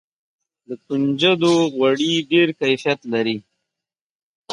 د کنجدو غوړي ډیر کیفیت لري.